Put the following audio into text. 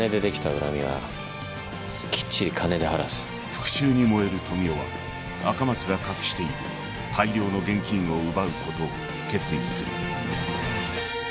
［復讐に燃える富生は赤松が隠している大量の現金を奪うことを決意する］